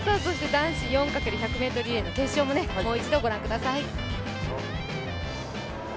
男子４×１００ｍの決勝ももう一度ご覧ください。